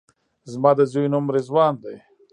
زما د زوی نوم رضوان دی